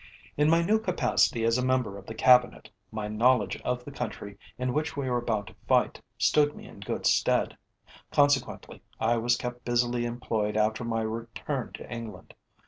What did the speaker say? In my new capacity as a member of the Cabinet, my knowledge of the country in which we were about to fight stood me in good stead; consequently, I was kept busily employed after my return to England.